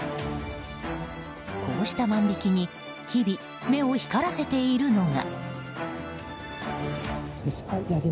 こうした万引きに日々、目を光らせているのが。